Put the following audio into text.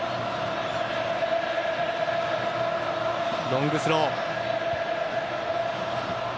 ロングスロー。